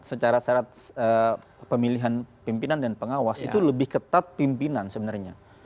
secara syarat pemilihan pimpinan dan pengawas itu lebih ketat pimpinan sebenarnya